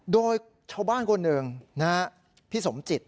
โดยชาวบ้านคนหนึ่งนะฮะพี่สมจิต